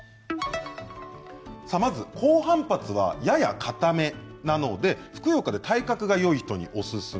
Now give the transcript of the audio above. まず高反発は、ややかためなのでふくよかで体格がよい人におすすめ。